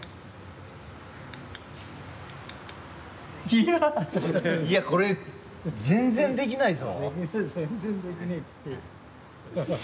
いやいやこれ全然できないぞ。